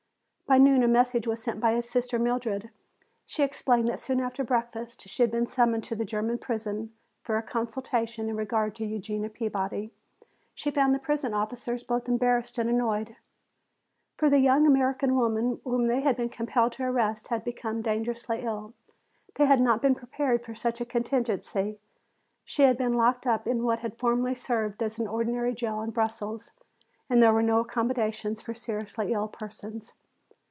By noon a message was sent him by his sister Mildred. She explained that soon after breakfast she had been summoned to the German prison for a consultation in regard to Eugenia Peabody. She found the prison officers both embarrassed and annoyed. For the young American woman whom they had been compelled to arrest had become dangerously ill. They had not been prepared for such a contingency. She had been locked up in what had formerly served as an ordinary jail in Brussels and there were no accommodations for seriously ill persons.